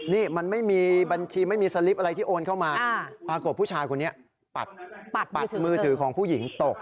นี่มันไม่มีบัญชีไม่มีสลิปอะไรที่โอนเข้ามาปรากฏผู้ชายคนนี้มือถือของผู้หญิงตก